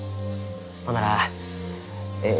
ほんならえい